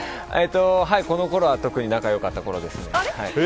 この頃は特に仲がよかったころですね。